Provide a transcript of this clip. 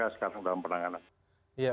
sekarang dalam penanganan